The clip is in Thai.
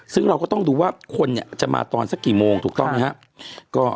ซึ่งเราก็ต้องดูว่าคนเนี่ยจะมาตอนสักกี่โมงถูกต้องไหมครับ